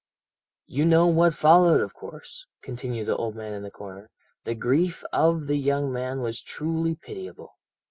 "You know what followed, of course," continued the man in the corner, "the grief of the young man was truly pitiable.